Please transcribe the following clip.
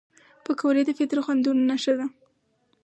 پکورې د فطري خوندونو نښه ده